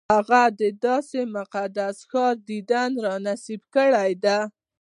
هغه د داسې مقدس ښار دیدن را نصیب کړی دی.